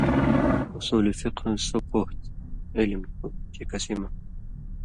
اُصول فِقہ سُو پوہہۡ تھی (عِلم تھُو) چےکسی مہ